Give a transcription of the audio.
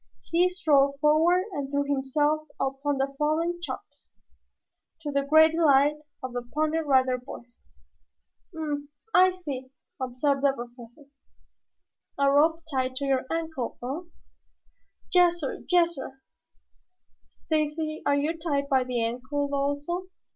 He strode forward and threw himself upon the fallen Chops, to the great delight of the Pony Rider Boys. "Hm m m! I see," observed the Professor. "A rope tied to your ankle, eh?" "Yassir, yassir." "Stacy, are you tied by the ankle also?"